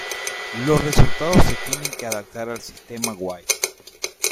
Los resultados se tienen que adaptar al sistema "White".